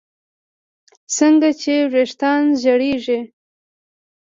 څنګه چې ویښتان زړېږي